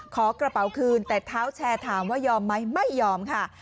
กระเป๋าคืนแต่เท้าแชร์ถามว่ายอมไหมไม่ยอมค่ะ